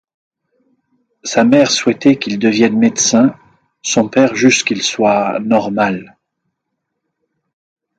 Sa mère souhaitait qu'il devienne médecin, son père juste qu’il soit... normal.